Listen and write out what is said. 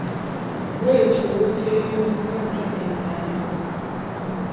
Bw'etyo wooteri y'omuggaga n'essaanawo.